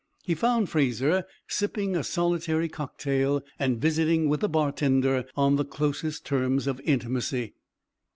He found Fraser sipping a solitary cocktail and visiting with the bartender on the closest terms of intimacy.